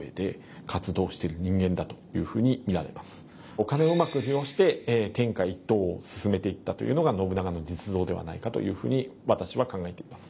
お金をうまく利用して天下一統を進めていったというのが信長の実像ではないかというふうに私は考えています。